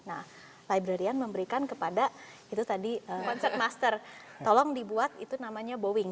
nah librarian memberikan kepada itu tadi konsep master tolong dibuat itu namanya bowing